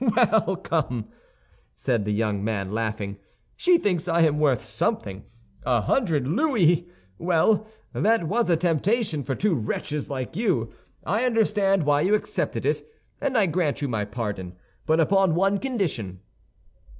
"Well, come!" said the young man, laughing, "she thinks I am worth something. A hundred louis? Well, that was a temptation for two wretches like you. I understand why you accepted it, and I grant you my pardon; but upon one condition."